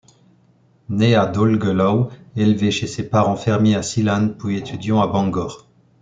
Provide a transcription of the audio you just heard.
Né à Dolgellau, élevé chez ses parents fermiers à Cilan puis étudiant à Bangor.